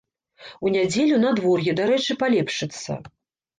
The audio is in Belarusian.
У нядзелю надвор'е, дарэчы, палепшыцца.